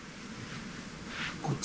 ・こっち。